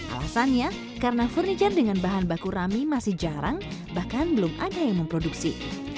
alasannya karena furniture dengan bahan baku rami masih jarang bahkan belum ada yang memproduksi